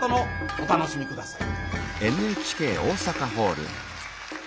お楽しみ下さい。